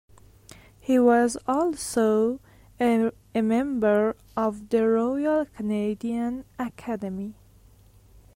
He was also a member of the Royal Canadian Academy.